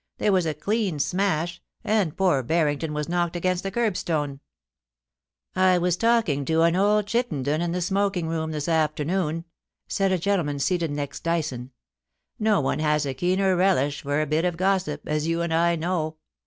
There was a clean smash, and poor Barrington was knocked against the kerbstone.' * I was talking to old Chittenden in the smoking room this afternoon/ said a gentleman seated next Dyson. * No one has a keener relish for a bit of gossip, as you and I know.